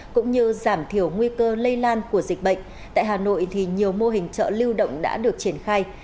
cũng như giảm thiểu nguy cơ lây lan của dịch bệnh tại hà nội thì nhiều mô hình chợ lưu động đã được triển khai